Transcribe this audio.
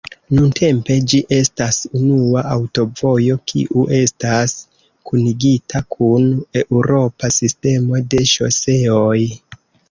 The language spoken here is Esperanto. Nuntempe ĝi estas unua aŭtovojo kiu estas kunigita kun eŭropa sistemo de ŝoseoj.